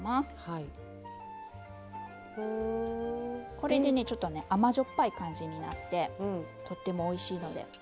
これでねちょっとね甘じょっぱい感じになってとってもおいしいので。